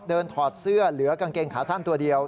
ถอดเสื้อเหลือกางเกงขาสั้นตัวเดียว